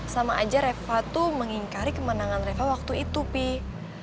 sama aja reva tuh mengingkari kemenangan reva waktu itu sih